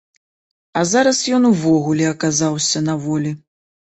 А зараз ён увогуле аказаўся на волі.